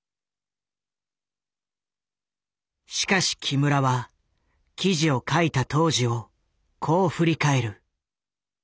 しかし木村は記事を書いた当時をこう振り返る。